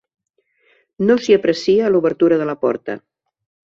No s'hi aprecia l'obertura de la porta.